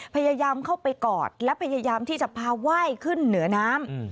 พยายามเข้าไปกอดและพยายามที่จะพาไหว้ขึ้นเหนือน้ำ